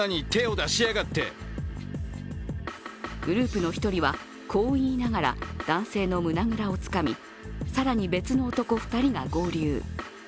グループの１人は、こう言いながら男性の胸ぐらをつかみ更に別の男２人が合流。